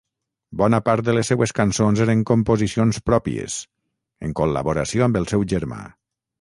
Bona part de les seues cançons eren composicions pròpies, en col·laboració amb el seu germà.